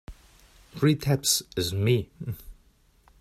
Three taps is me.